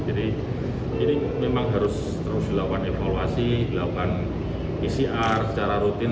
jadi ini memang harus dilakukan evaluasi dilakukan pcr secara rutin